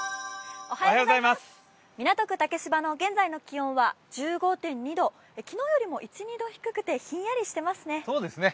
港区竹芝の現在の気温は１５．２度、昨日よりも１２度低くてひんやりしていますね。